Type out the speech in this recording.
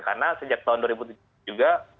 karena sejak tahun dua ribu tujuh belas juga